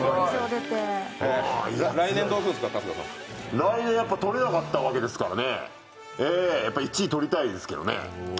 来年、やっぱり、取れなかったわけですからね、やっぱり１位取りたいですけどね。